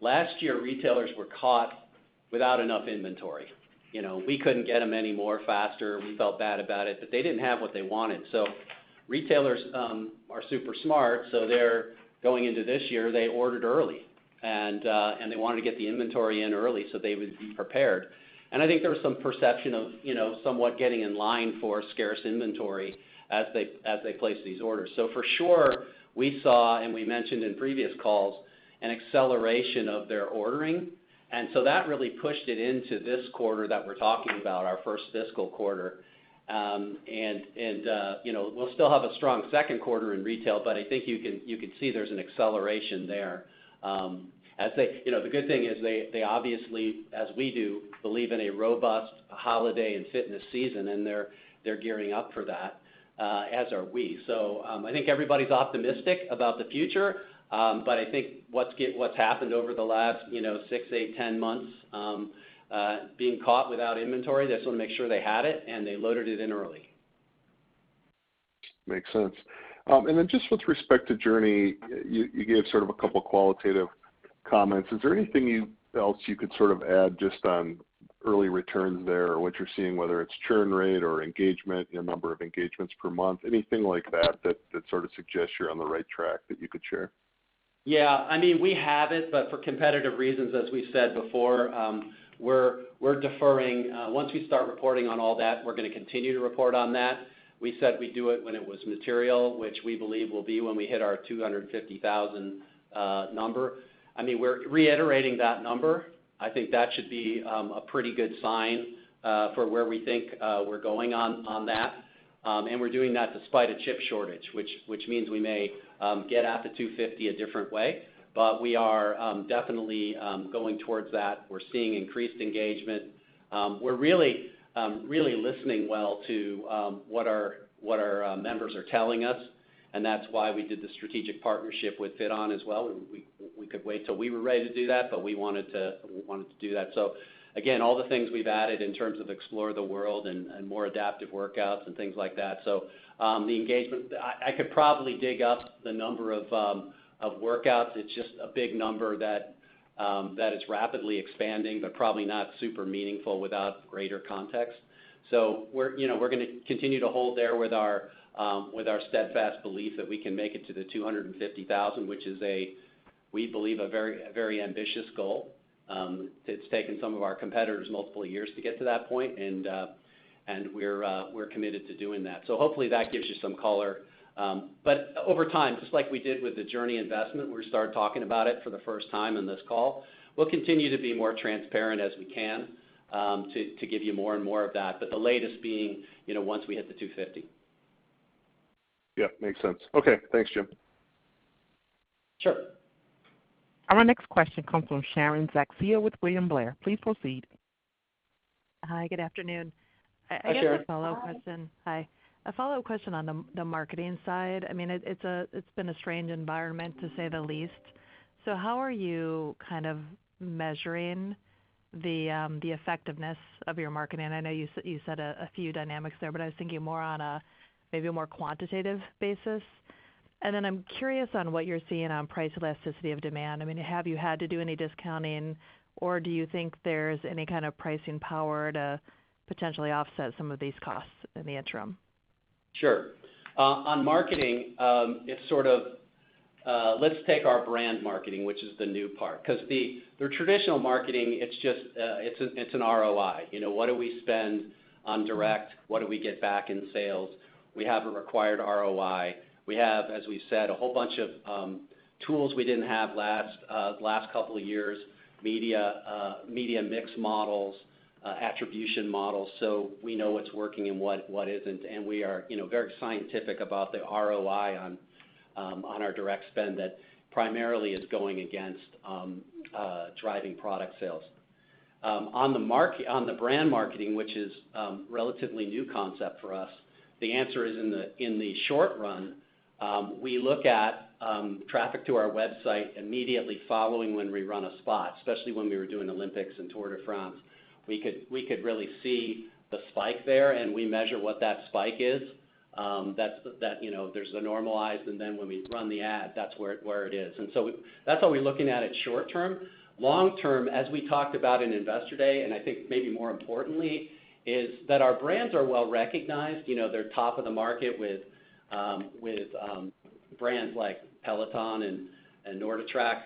last year, retailers were caught without enough inventory. We couldn't get them anymore faster. We felt bad about it, but they didn't have what they wanted. Retailers are super smart, so they're going into this year, they ordered early. They wanted to get the inventory in early so they would be prepared. I think there was some perception of somewhat getting in line for scarce inventory as they placed these orders. For sure, we saw, and we mentioned in previous calls, an acceleration of their ordering. That really pushed it into this quarter that we're talking about, our first fiscal quarter. We'll still have a strong second quarter in retail, but I think you can see there's an acceleration there. The good thing is they obviously, as we do, believe in a robust holiday and fitness season, and they're gearing up for that, as are we. I think everybody's optimistic about the future. I think what's happened over the last six, eight, 10 months, being caught without inventory, they just want to make sure they had it, and they loaded it in early. Makes sense. Just with respect to JRNY, you gave sort of a couple qualitative comments. Is there anything else you could sort of add just on early returns there or what you're seeing, whether it's churn rate or engagement, number of engagements per month, anything like that sort of suggests you're on the right track that you could share? Yeah. We have it, but for competitive reasons, as we said before, we're deferring. Once we start reporting on all that, we're going to continue to report on that. We said we'd do it when it was material, which we believe will be when we hit our 250,000 number. We're reiterating that number. I think that should be a pretty good sign for where we think we're going on that. We're doing that despite a chip shortage, which means we may get at the 250 a different way. We are definitely going towards that. We're seeing increased engagement. We're really listening well to what our members are telling us, and that's why we did the strategic partnership with FitOn as well. We could wait till we were ready to do that, but we wanted to do that. Again, all the things we've added in terms of Explore the World and more adaptive workouts and things like that. The engagement, I could probably dig up the number of workouts. It's just a big number that is rapidly expanding, but probably not super meaningful without greater context. We're going to continue to hold there with our steadfast belief that we can make it to the 250,000, which is, we believe, a very ambitious goal. It's taken some of our competitors multiple years to get to that point, and we're committed to doing that. Hopefully, that gives you some color. Over time, just like we did with the JRNY investment, we started talking about it for the first time in this call. We'll continue to be more transparent as we can. To give you more and more of that, but the latest being once we hit the 250. Yeah, makes sense. Okay. Thanks, Jim. Sure. Our next question comes from Sharon Zackfia with William Blair. Please proceed. Hi, good afternoon. Hi, Sharon. I have a follow question. Hi. Hi. A follow question on the marketing side. It's been a strange environment to say the least. How are you measuring the effectiveness of your marketing? I know you said a few dynamics there, but I was thinking more on a more quantitative basis. I'm curious on what you're seeing on price elasticity of demand. Have you had to do any discounting, or do you think there's any kind of pricing power to potentially offset some of these costs in the interim? Sure. On marketing, let's take our brand marketing, which is the new part, because the traditional marketing, it's an ROI. What do we spend on direct? What do we get back in sales? We have a required ROI. We have, as we've said, a whole bunch of tools we didn't have the last couple of years. Media mix models, attribution models, so we know what's working and what isn't. We are very scientific about the ROI on our direct spend that primarily is going against driving product sales. On the brand marketing, which is a relatively new concept for us, the answer is in the short run, we look at traffic to our website immediately following when we run a spot, especially when we were doing Olympics and Tour de France. We could really see the spike there, and we measure what that spike is. There's the normalized, and then when we run the ad, that's where it is. That's how we're looking at it short-term. Long-term, as we talked about in Investor Day, and I think maybe more importantly, is that our brands are well-recognized. They're top of the market with brands like Peloton and NordicTrack.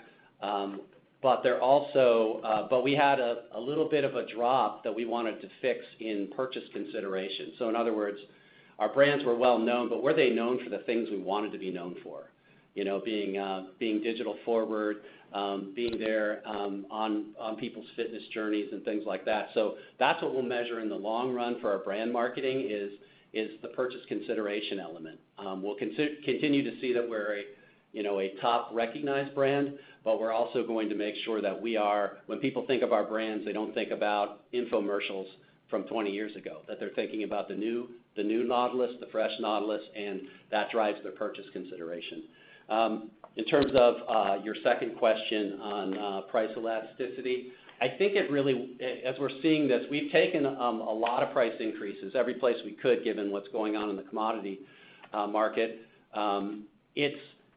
We had a little bit of a drop that we wanted to fix in purchase consideration. In other words, our brands were well-known, but were they known for the things we wanted to be known for? Being digital forward, being there on people's fitness journeys and things like that. That's what we'll measure in the long run for our brand marketing is the purchase consideration element. We'll continue to see that we're a top recognized brand, but we're also going to make sure that when people think of our brands, they don't think about infomercials from 20 years ago. They're thinking about the new Nautilus, the fresh Nautilus, and that drives their purchase consideration. In terms of your second question on price elasticity, I think as we're seeing this, we've taken a lot of price increases every place we could, given what's going on in the commodity market.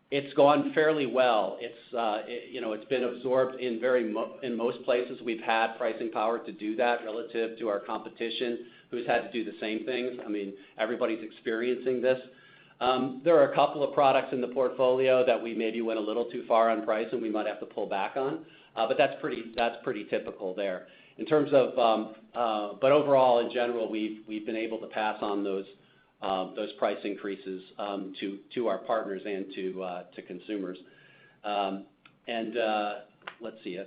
It's gone fairly well. It's been absorbed in most places. We've had pricing power to do that relative to our competition, who's had to do the same things. Everybody's experiencing this. There are a couple of products in the portfolio that we maybe went a little too far on price and we might have to pull back on. That's pretty typical there. Overall, in general, we've been able to pass on those price increases to our partners and to consumers. Let's see.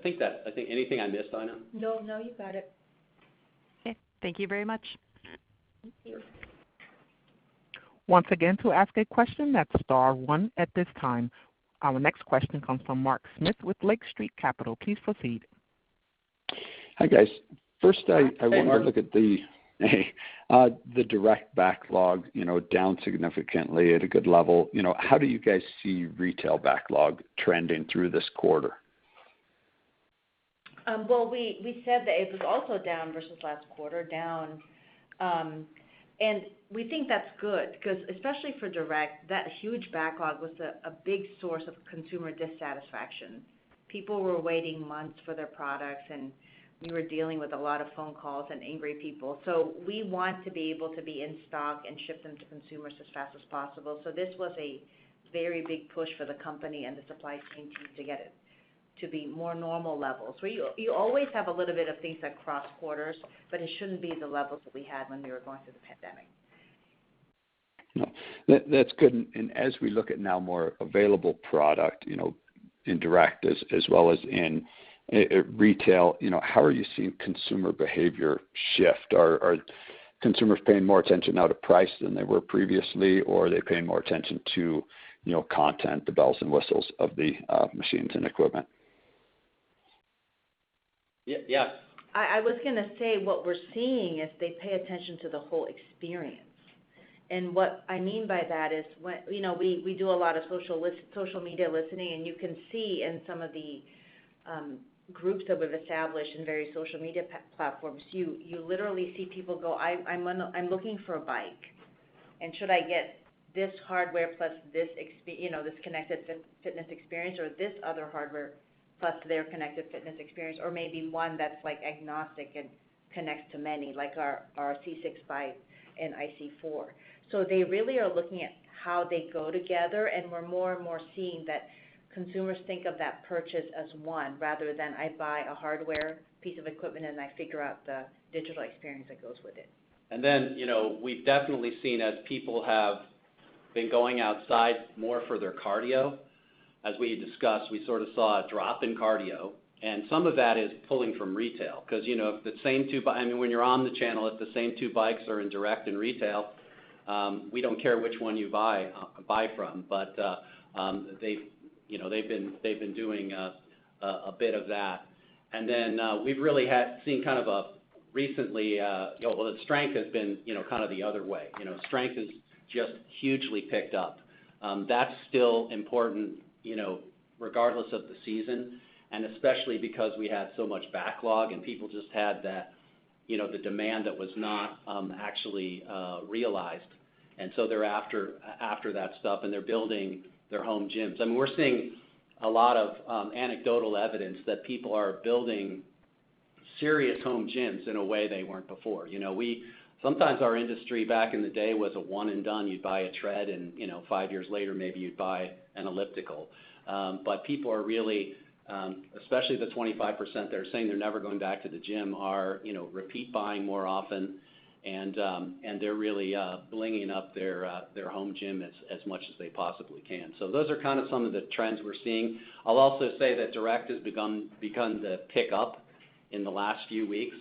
Anything I missed, Aina? No, you got it. Okay. Thank you very much. Once again, to ask a question, that's star one at this time. Our next question comes from Mark Smith with Lake Street Capital. Please proceed. Hi, guys. Hey, Mark. First I wanted to look at the direct backlog, down significantly at a good level. How do you guys see retail backlog trending through this quarter? Well, we said that it was also down versus last quarter. We think that's good because especially for direct, that huge backlog was a big source of consumer dissatisfaction. People were waiting months for their products, and we were dealing with a lot of phone calls and angry people. We want to be able to be in stock and ship them to consumers as fast as possible. This was a very big push for the company and the supply chain team to get it to be more normal levels, where you always have a little bit of things that cross quarters, but it shouldn't be the levels that we had when we were going through the pandemic. No. That's good. As we look at now more available product, in direct as well as in retail, how are you seeing consumer behavior shift? Are consumers paying more attention now to price than they were previously, or are they paying more attention to content, the bells and whistles of the machines and equipment? Yeah. I was going to say, what we're seeing is they pay attention to the whole experience. What I mean by that is we do a lot of social media listening, and you can see in some of the groups that we've established in various social media platforms, you literally see people go, "I'm looking for a bike," and "Should I get this hardware plus this connected fitness experience or this other hardware plus their connected fitness experience?" Maybe one that's agnostic and connects to many, like our C6 Bike and IC4. They really are looking at how they go together, and we're more and more seeing that consumers think of that purchase as one, rather than I buy a hardware piece of equipment and I figure out the digital experience that goes with it. We've definitely seen as people have been going outside more for their cardio. As we had discussed, we sort of saw a drop in cardio, and some of that is pulling from retail. When you're on the channel, if the same two bikes are in direct and retail, we don't care which one you buy from. They've been doing a bit of that. We've really seen, recently, well, the strength has been the other way. Strength has just hugely picked up. That's still important regardless of the season, and especially because we had so much backlog and people just had the demand that was not actually realized. They're after that stuff and they're building their home gyms. We're seeing a lot of anecdotal evidence that people are building serious home gyms in a way they weren't before. Sometimes our industry back in the day was a one and done. You'd buy a tread and five years later maybe you'd buy an elliptical. People are really, especially the 25% that are saying they're never going back to the gym, are repeat buying more often and they're really blinging up their home gym as much as they possibly can. Those are kind of some of the trends we're seeing. I'll also say that direct has begun to pick up in the last few weeks.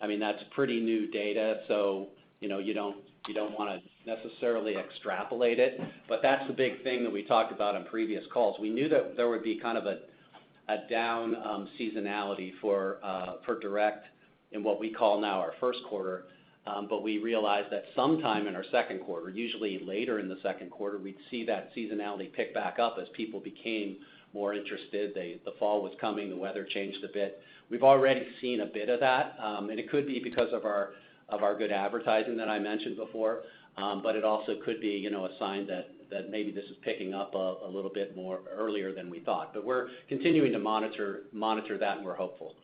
That's pretty new data, so you don't want to necessarily extrapolate it, but that's the big thing that we talked about on previous calls. We knew that there would be kind of a down seasonality for direct in what we call now our first quarter. We realized that sometime in our second quarter, usually later in the second quarter, we'd see that seasonality pick back up as people became more interested. The fall was coming, the weather changed a bit. We've already seen a bit of that. It could be because of our good advertising that I mentioned before. It also could be a sign that maybe this is picking up a little bit more earlier than we thought. We're continuing to monitor that, and we're hopeful.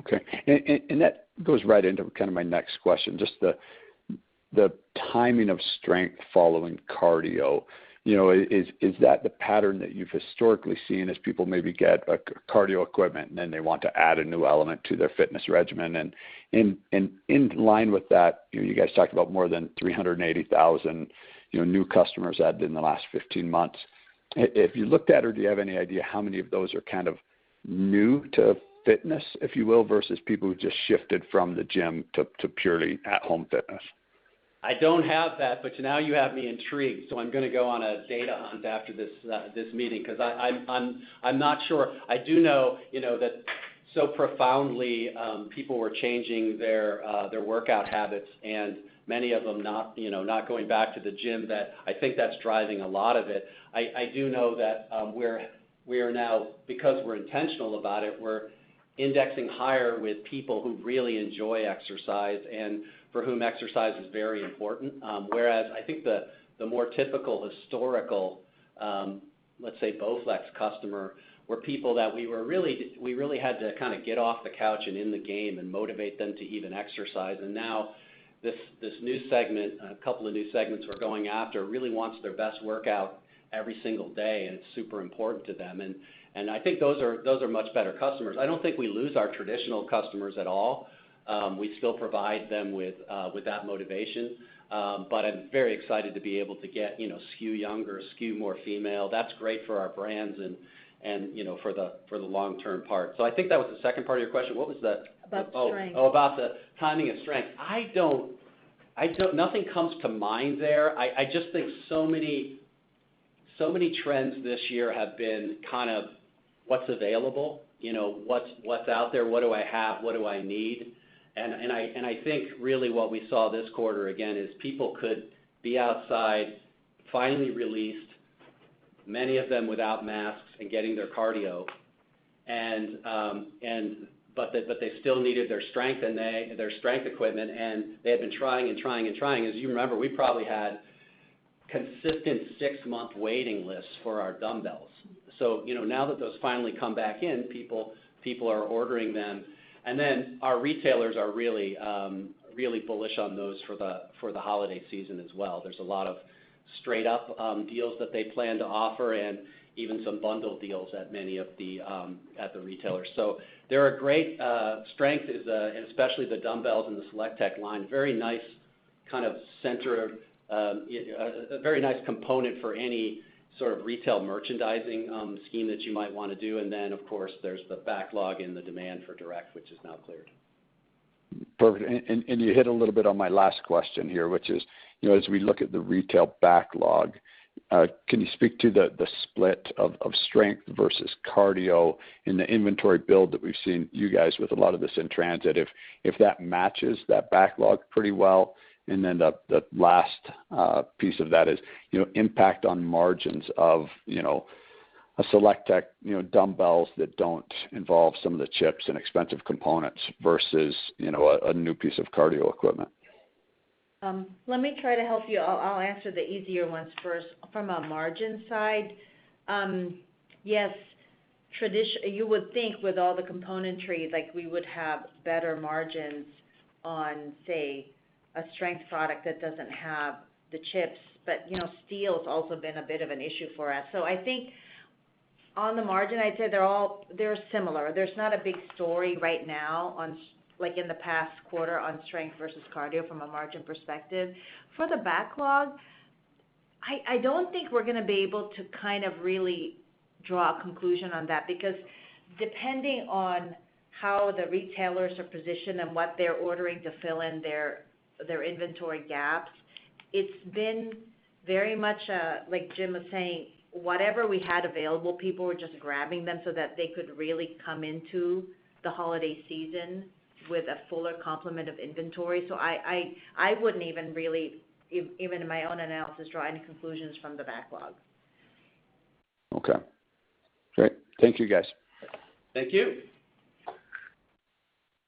Okay. That goes right into kind of my next question, just the timing of strength following cardio. Is that the pattern that you've historically seen as people maybe get cardio equipment and then they want to add a new element to their fitness regimen? In line with that, you guys talked about more than 380,000 new customers added in the last 15 months. Have you looked at, or do you have any idea how many of those are kind of new to fitness, if you will, versus people who just shifted from the gym to purely at-home fitness? I don't have that, but now you have me intrigued, so I'm going to go on a data hunt after this meeting because I'm not sure. I do know that so profoundly, people were changing their workout habits, and many of them not going back to the gym, that I think that's driving a lot of it. I do know that we are now, because we're intentional about it, we're indexing higher with people who really enjoy exercise and for whom exercise is very important. Whereas I think the more typical historical, let's say, BowFlex customer were people that we really had to kind of get off the couch and in the game and motivate them to even exercise. Now this new segment, a couple of new segments we're going after, really wants their best workout every single day, and it's super important to them. I think those are much better customers. I don't think we lose our traditional customers at all. We still provide them with that motivation. I'm very excited to be able to skew younger, skew more female. That's great for our brands and for the long-term part. I think that was the second part of your question. About strength. About the timing of strength. Nothing comes to mind there. I just think so many trends this year have been kind of what's available, what's out there, what do I have, what do I need? I think really what we saw this quarter again is people could be outside, finally released, many of them without masks and getting their cardio. They still needed their strength equipment, and they had been trying and trying and trying. As you remember, we probably had consistent six-month waiting lists for our dumbbells. Now that those finally come back in, people are ordering them. Our retailers are really bullish on those for the holiday season as well. There's a lot of straight-up deals that they plan to offer and even some bundle deals at the retailers. They're a great strength, and especially the dumbbells and the SelectTech line, a very nice component for any sort of retail merchandising scheme that you might want to do. Of course, there's the backlog and the demand for direct, which is now cleared. Perfect. You hit a little bit on my last question here, which is as we look at the retail backlog, can you speak to the split of strength versus cardio in the inventory build that we've seen you guys with a lot of this in transit, if that matches that backlog pretty well? The last piece of that is impact on margins of SelectTech dumbbells that don't involve some of the chips and expensive components versus a new piece of cardio equipment. Let me try to help you. I'll answer the easier ones first. From a margin side, yes, you would think with all the componentry, we would have better margins on, say, a strength product that doesn't have the chips. Steel's also been a bit of an issue for us. On the margin, I'd say they're similar. There's not a big story right now, like in the past quarter, on strength versus cardio from a margin perspective. For the backlog, I don't think we're going to be able to really draw a conclusion on that because depending on how the retailers are positioned and what they're ordering to fill in their inventory gaps, it's been very much like Jim was saying. Whatever we had available, people were just grabbing them so that they could really come into the holiday season with a fuller complement of inventory. I wouldn't even, really, even in my own analysis, draw any conclusions from the backlog. Okay. Great. Thank you, guys. Thank you.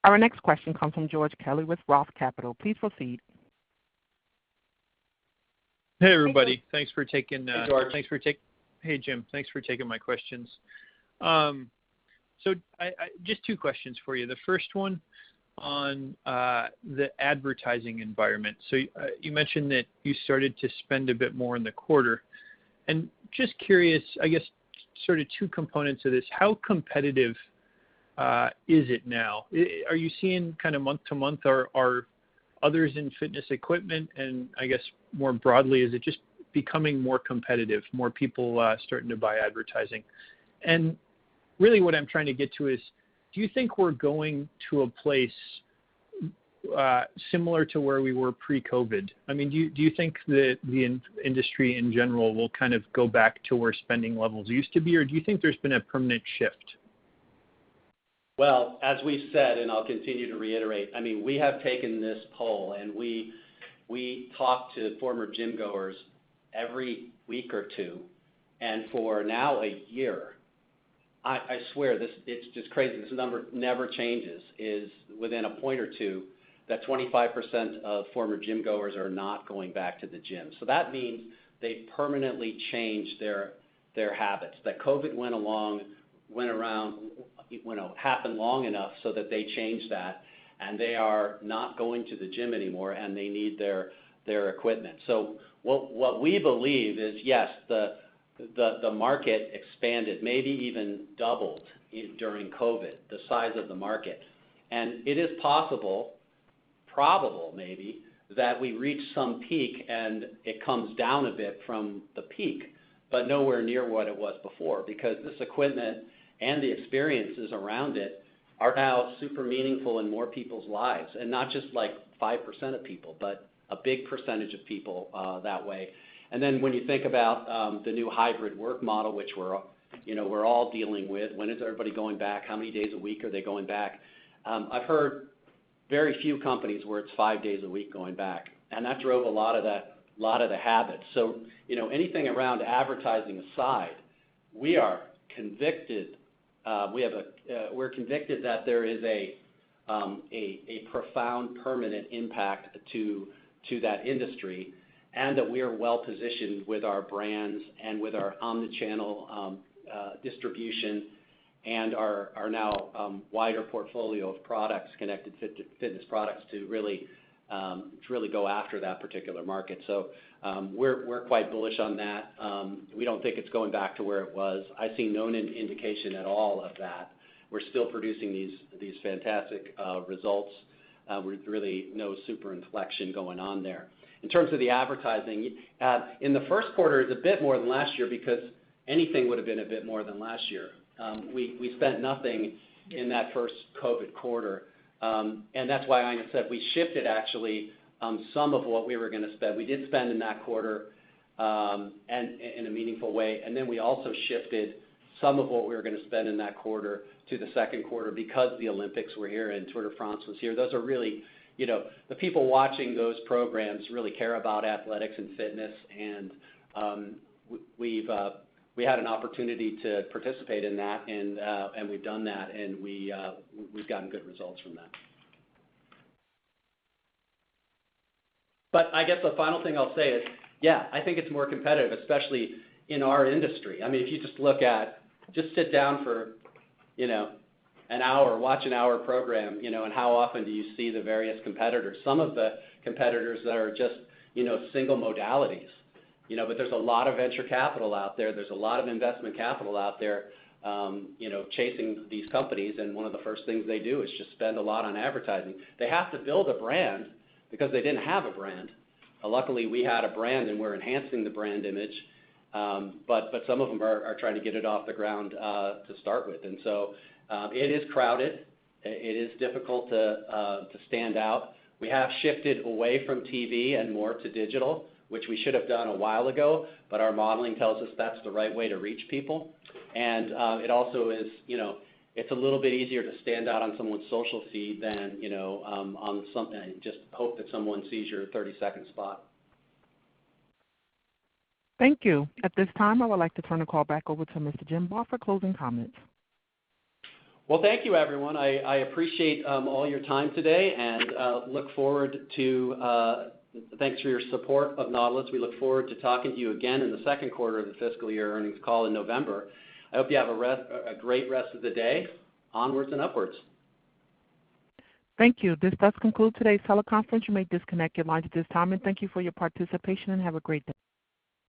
Our next question comes from George Kelly with Roth Capital. Please proceed. Hey, everybody. Hey, George. Hey, Jim. Thanks for taking my questions. Just two questions for you. The first one on the advertising environment. You mentioned that you started to spend a bit more in the quarter, and just curious, I guess, sort of two components of this. How competitive is it now? Are you seeing kind of month to month, are others in fitness equipment and I guess more broadly, is it just becoming more competitive, more people starting to buy advertising? Really what I'm trying to get to is, do you think we're going to a place similar to where we were pre-COVID-19? Do you think that the industry in general will kind of go back to where spending levels used to be, or do you think there's been a permanent shift? As we've said, and I'll continue to reiterate, we have taken this poll, and we talk to former gym-goers every week or two. For now a year, I swear, it's just crazy. This number never changes, is within a point or two, that 25% of former gym-goers are not going back to the gym. That means they've permanently changed their habits. COVID went along, happened long enough so that they changed that, and they are not going to the gym anymore, and they need their equipment. What we believe is, yes, the market expanded, maybe even doubled during COVID, the size of the market. It is possible, probable maybe, that we reach some peak and it comes down a bit from the peak, but nowhere near what it was before because this equipment and the experiences around it are now super meaningful in more people's lives. Not just 5% of people, but a big percentage of people that way. When you think about the new hybrid work model, which we're all dealing with. When is everybody going back? How many days a week are they going back? I've heard very few companies where it's five days a week going back, and that drove a lot of the habits. Anything around advertising aside, we're convicted that there is a profound, permanent impact to that industry and that we are well positioned with our brands and with our omni-channel distribution and our now wider portfolio of products, connected fitness products, to really go after that particular market. We're quite bullish on that. We don't think it's going back to where it was. I see no indication at all of that. We're still producing these fantastic results with really no super inflection going on there. In terms of the advertising, in the first quarter it was a bit more than last year because anything would've been a bit more than last year. We spent nothing in that first COVID quarter. That's why Ina said we shifted actually some of what we were going to spend. We did spend in that quarter in a meaningful way. We also shifted some of what we were going to spend in that quarter to the second quarter because the Olympics were here and Tour de France was here. The people watching those programs really care about athletics and fitness, and we had an opportunity to participate in that, and we've done that, and we've gotten good results from that. I guess the final thing I'll say is, yeah, I think it's more competitive, especially in our industry. If you just sit down for an hour, watch an hour program, and how often do you see the various competitors? Some of the competitors that are just single modalities. There's a lot of venture capital out there. There's a lot of investment capital out there chasing these companies, and one of the first things they do is just spend a lot on advertising. They have to build a brand because they didn't have a brand. Luckily, we had a brand, and we're enhancing the brand image. Some of them are trying to get it off the ground to start with. It is crowded. It is difficult to stand out. We have shifted away from TV and more to digital, which we should have done a while ago, but our modeling tells us that's the right way to reach people. It's a little bit easier to stand out on someone's social feed than just hope that someone sees your 30-second spot. Thank you. At this time, I would like to turn the call back over to Mr. Jim Barr for closing comments. Well, thank you everyone. I appreciate all your time today and thanks for your support of Nautilus. We look forward to talking to you again in the second quarter of the fiscal year earnings call in November. I hope you have a great rest of the day. Onwards and upwards. Thank you. This does conclude today's teleconference. You may disconnect your lines at this time, and thank you for your participation, and have a great day.